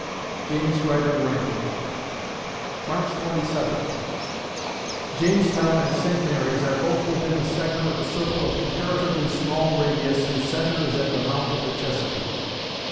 JAMES RYDER RANDALL March Twenty Seventh Jamestown and St. Mary's are both within the segment of a circle of comparatively small radius whose center is at the mouth of the Chesapeake.